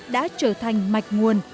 đã trở thành mạch nguồn